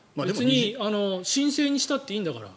申請にしたっていいんだから。